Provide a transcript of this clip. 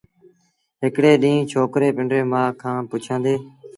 هڪڙي ڏيݩهݩ ڇوڪري پنڊريٚ مآ کآݩ پُڇيآݩدي